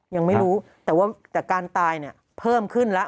ยังไม่รู้แต่ว่าการตายเพิ่มขึ้นแล้ว